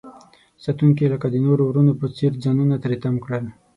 ساتونکي لکه د نورو ورونو په څیر ځانونه تری تم کړل.